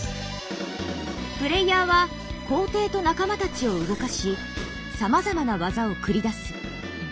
プレイヤーは皇帝と仲間たちを動かしさまざまな技を繰り出す。